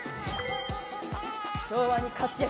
昭和に活躍。